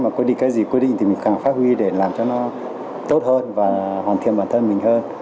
mà quy định cái gì quyết định thì mình càng phát huy để làm cho nó tốt hơn và hoàn thiện bản thân mình hơn